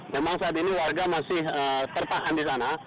memang saat ini warga masih tertahan di sana